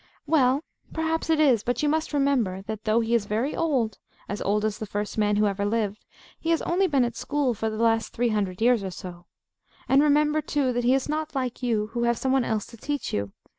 Well, perhaps it is: but you must remember that, though he is very old as old as the first man who ever lived he has only been at school for the last three hundred years or so. And remember, too, that he is not like you, who have some one else to teach you.